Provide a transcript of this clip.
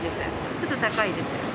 ちょっと高いですよね。